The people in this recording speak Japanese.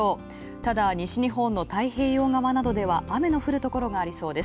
ただ、西日本の太平洋側は雨の降るところがありそう。